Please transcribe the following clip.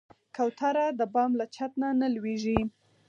کوتره د بام له چت نه نه لوېږي.